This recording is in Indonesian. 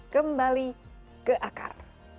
kembali ke akar